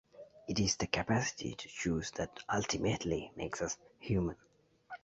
It is the capacity to choose that ultimately makes us human.